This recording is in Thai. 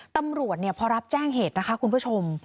ตำรวจพอรับแจ้งเหตุนะคะคุณผู้ชม